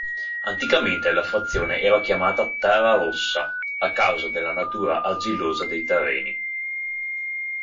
Anticamente, la frazione era chiamata "Terrarossa", a causa della natura argillosa dei terreni.